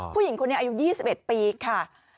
ผู้หญิงคนนี้อายุ๒๑ปีค่ะ